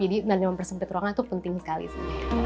jadi nanya mempersempit ruangan itu penting sekali sih